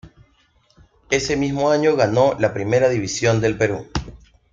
Ese mismo año ganó la Primera División del Perú.